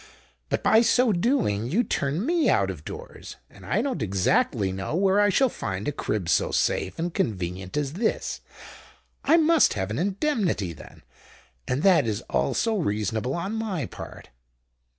But, by so doing, you turn me out of doors; and I don't exactly know where I shall find a crib so safe and convenient as this. I must have an indemnity, then: and that is also reasonable on my part."